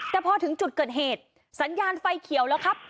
แต่พอถึงจุดเกิดเหตุสัญญาณไฟเขียวแล้วครับ